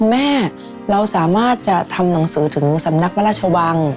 แม่เราสามารถจะทำหนังสือถึงสำนักพระราชวัง